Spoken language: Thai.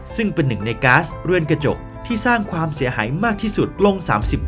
ซึ่งเป็นหนึ่งในก๊าซเรือนกระจกที่สร้างความเสียหายมากที่สุดลง๓๙